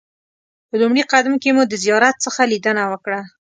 په لومړي قدم کې مو د زیارت څخه لیدنه وکړه.